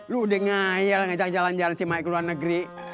lo udah ngayal ngajak jalan jalan si mae ke luar negeri